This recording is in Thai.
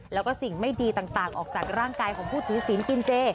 แล้วก็สิ่งไม่ดีต่างออกจากร่างกายของผู้ถือศีลกินเจ